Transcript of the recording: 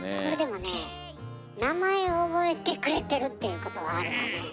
これでもね名前覚えてくれてるっていうことはあるわね。